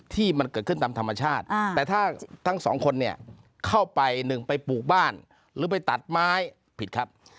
ทั้งสองคนเนี่ยเข้าไปหนึ่งไปปลูกบ้านหรือไปตัดไม้ผิดครับ